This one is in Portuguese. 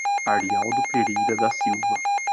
Arialdo Pereira da Silva